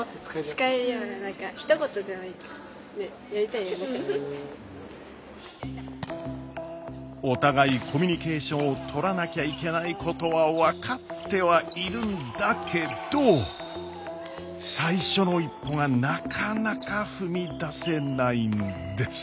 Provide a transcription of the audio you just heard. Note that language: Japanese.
使えるような何かお互いコミュニケーションをとらなきゃいけないことは分かってはいるんだけど最初の一歩がなかなか踏み出せないんです。